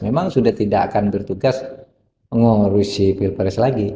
memang sudah tidak akan bertugas mengurusi pilpres lagi